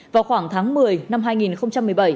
vào khoảng tháng một mươi năm hai nghìn một mươi bảy